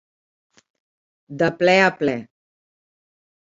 De ple a ple.